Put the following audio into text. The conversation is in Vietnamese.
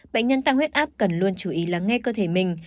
bệnh nhân tăng huyết áp cần luôn chú ý lắng nghe cơ thể mình